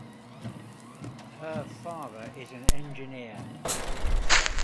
Her father is an engineer.